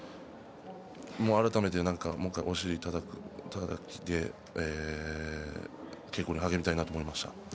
改めてお尻をたたいて稽古に励みたいなと思いました。